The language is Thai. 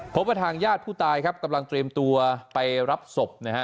พบว่าทางญาติผู้ตายครับกำลังเตรียมตัวไปรับศพนะฮะ